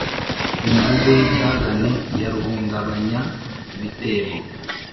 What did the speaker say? Imvubu y'icyagane ya ruhungabanya-bitebo,